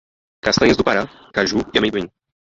Castanhas do Pará, Caju e amendoim